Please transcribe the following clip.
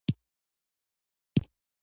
بایسکل د وزن کنټرول ته ګټور دی.